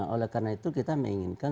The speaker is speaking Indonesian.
oleh karena itu kita menginginkan